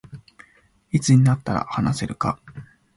いつになったら話せるか